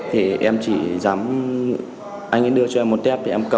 thì em chỉ dám anh ấy đưa cho em một tép